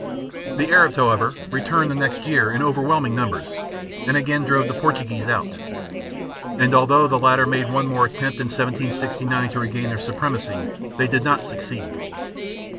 The Arabs, however, returned the next year in overwhelming numbers, and again drove the Portuguese out; and although the latter made one more attempt in 1769 to regain their supremacy, they did not succeed.